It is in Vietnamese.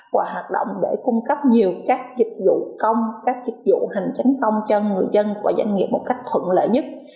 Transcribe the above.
và hoạt động để cung cấp nhiều các dịch vụ công các dịch vụ hành chính công cho người dân và doanh nghiệp một cách thuận lợi nhất